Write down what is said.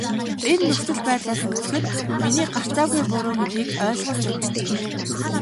Энэ нөхцөл байдлаас үзэхэд миний гарцаагүй буруу гэдгийг ойлгуулж амжжээ.